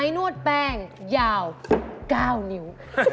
ยาว๙นิ้ว